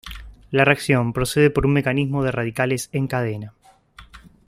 La reacción procede por un mecanismo de radicales en cadena.